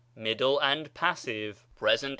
MIDDLE AND PAssIVE. Pres. Indic.